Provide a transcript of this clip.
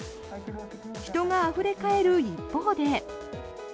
人があふれ返る一方で。